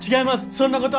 そんなことは。